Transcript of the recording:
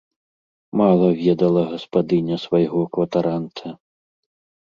Мала ведала гаспадыня свайго кватаранта.